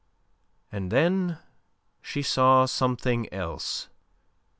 And then she saw something else.